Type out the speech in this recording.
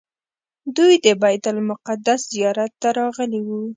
دوی د بیت المقدس زیارت ته راغلي وو.